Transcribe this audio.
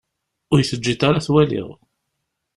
Ur yi-teǧǧiḍ ara ad t-waliɣ.